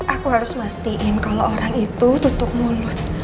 aku harus mastiin kalau orang itu tutup mulut